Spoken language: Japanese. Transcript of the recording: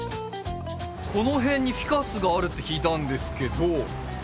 この辺にフィカスがあるって聞いたんですけど。